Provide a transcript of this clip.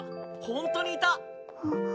ほんとにいた！あっ。